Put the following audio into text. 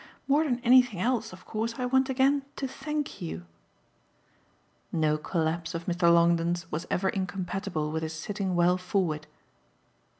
More than anything else of course I want again to thank you." No collapse of Mr. Longdon's was ever incompatible with his sitting well forward.